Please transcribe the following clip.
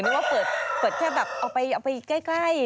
ว่าเปิดแค่แบบเอาไปใกล้